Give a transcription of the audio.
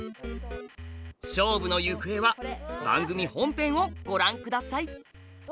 勝負の行方は番組本編をご覧下さい！